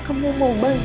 kamu mau bantu